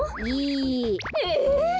いいえ。